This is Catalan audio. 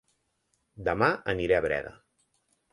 Dema aniré a Breda